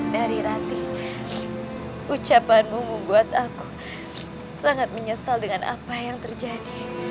dari rati ucapanmu membuat aku sangat menyesal dengan apa yang terjadi